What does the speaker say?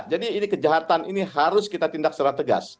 jadi ini kejahatan ini harus kita tindak secara tegas